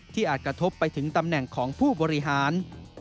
อาจกระทบไปถึงตำแหน่งของผู้บริหาร